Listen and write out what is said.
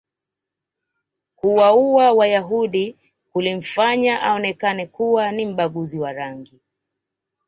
kuwauwa wayahudi kulimfanya aonekane kuwa ni mbaguzi wa rangi